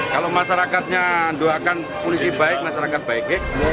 kalau masyarakatnya doakan polisi baik masyarakat baik